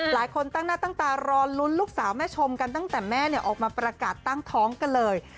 หลายคนตั้งหน้าตั้งตารอลุ้นลูกสาวแม่ชมกันตั้งแต่แม่ออกมาประกาศตั้งท้องกันเลย